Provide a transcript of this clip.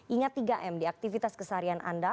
ingat tiga m di aktivitas keseharian anda